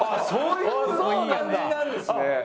そうですよね。